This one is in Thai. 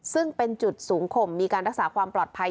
ซึ่งเป็นจุดสูงข่มมีการรักษาความปลอดภัย